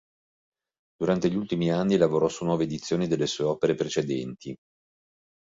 Durante gli ultimi anni lavorò su nuove edizioni delle sue opere precedenti.